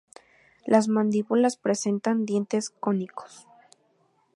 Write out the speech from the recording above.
Las mandíbulas presentan dientes cónicos.